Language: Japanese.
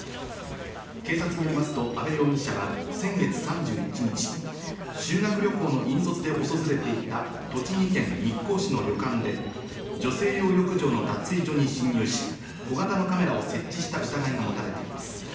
警察によりますと阿部容疑者は先月３１日、修学旅行の引率で訪れていた栃木県日光市の旅館で女性用浴場の脱衣所に侵入し、小型のカメラを設置した疑いが持たれています。